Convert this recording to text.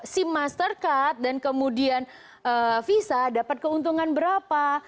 si mastercard dan kemudian visa dapat keuntungan berapa